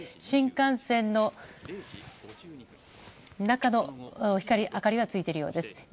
新幹線の中の明かりはついているようです。